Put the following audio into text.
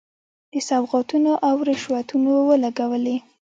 په سوغاتونو او رشوتونو ولګولې.